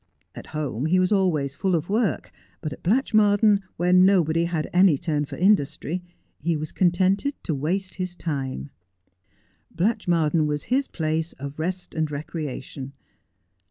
At home he was always full of work, but at Blatchmardean, where nobody had any turn for industry, he was contented to waste his time. Blatch mardean was his place of rest and recreation.